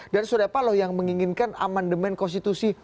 dan sudah apa loh yang menginginkan amandemen konstitusi